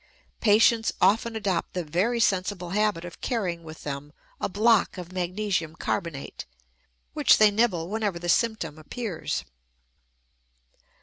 Patients often adopt the very sensible habit of carrying with them a block of magnesium carbonate, which they nibble whenever the symptom appears.